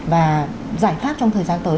và giải pháp trong thời gian tới